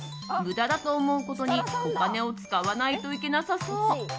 無駄だと思うことにお金を使わないといけなさそう。